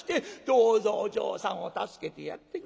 「どうぞお嬢さんを助けてやって下さい。